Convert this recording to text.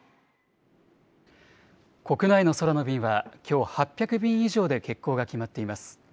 国内の空の便は、きょう８００便以上で欠航が決まっています。